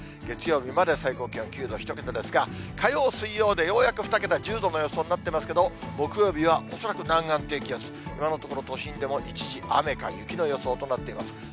月曜日まで最高気温９度、１桁ですが、火曜、水曜でようやく２桁、１０度の予想になってますけど、木曜日は恐らく南岸低気圧、今のところ、都心でも一時雨か雪の予想となっています。